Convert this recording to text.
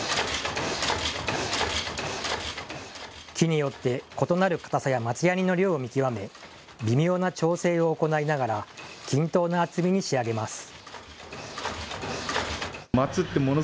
木によって異なる堅さや松ヤニの量を見極め微妙な調整を行いながら均等な厚みに仕上げます。